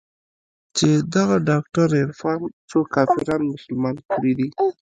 چې دغه ډاکتر عرفان څو کافران مسلمانان کړي دي.